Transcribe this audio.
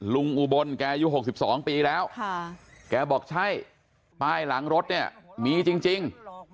อุบลแกอายุ๖๒ปีแล้วแกบอกใช่ป้ายหลังรถเนี่ยมีจริง